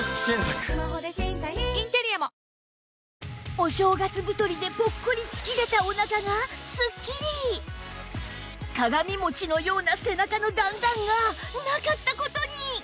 お正月太りでぽっこり突き出たお腹がすっきり！鏡もちのような背中の段々がなかった事に！